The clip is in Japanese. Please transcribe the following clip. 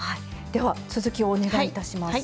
では続きをお願いいたします。